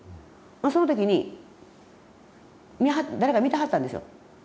その時に誰か見てはったんですよ。